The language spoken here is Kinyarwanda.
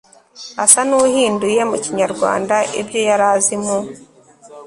asa n'uhinduye mu kinyarwanda ibyo yari azi mu